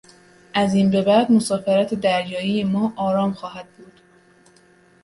از این به بعد مسافرت دریایی ما آرام خواهد بود.